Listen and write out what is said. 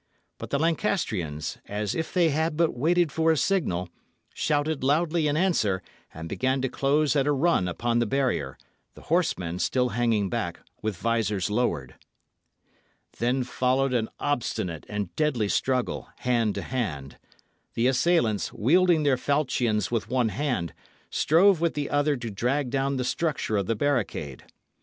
But the Lancastrians, as if they had but waited for a signal, shouted loudly in answer; and began to close at a run upon the barrier, the horsemen still hanging back, with visors lowered. Then followed an obstinate and deadly struggle, hand to hand. The assailants, wielding their falchions with one hand, strove with the other to drag down the structure of the barricade.